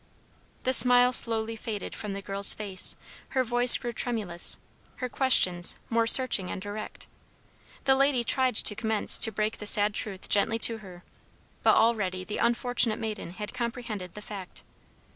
The smile slowly faded from the girl's face, her voice grew tremulous, her questions more searching and direct. The lady tried to commence to break the sad truth gently to her, but already the unfortunate maiden had comprehended the fact.